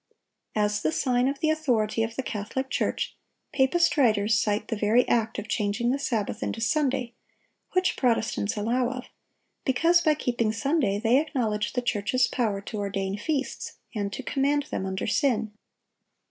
As the sign of the authority of the Catholic Church, papist writers cite "the very act of changing the Sabbath into Sunday, which Protestants allow of; ... because by keeping Sunday, they acknowledge the church's power to ordain feasts, and to command them under sin."